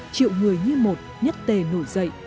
triệu người như một nhất tề nổi dậy